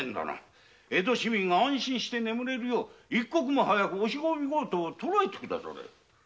江戸市民が安心できるよう一刻も早く押し込み強盗を捕えてくだされ。